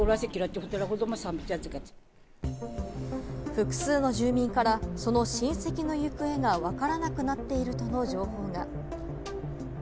複数の住民からその親戚の行方がわからなくなっているとの情報が。